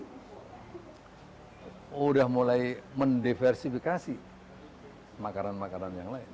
sudah mulai mendiversifikasi makanan makanan yang lain